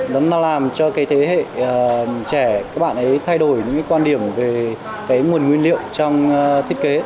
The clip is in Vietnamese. nó làm cho cái thế hệ trẻ các bạn ấy thay đổi những cái quan điểm về cái nguồn nguyên liệu trong thiết kế